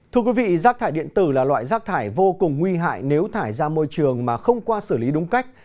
thưa quý vị rác thải điện tử là loại rác thải vô cùng nguy hại nếu thải ra môi trường mà không qua xử lý đúng cách